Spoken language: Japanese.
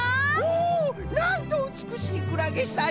おなんとうつくしいクラゲさん